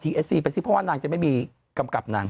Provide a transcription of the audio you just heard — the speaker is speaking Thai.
ชื่อนั้นก็เลยเข้าโรงพยาบาลอันนั้นเอง